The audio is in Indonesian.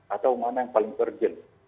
atau mana yang paling urgent